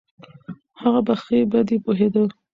هغه په ښې بدې پوهېده.